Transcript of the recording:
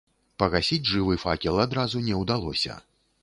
Пагасіць жывы факел адразу не ўдалося.